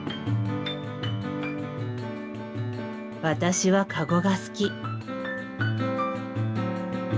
私はかごが好き。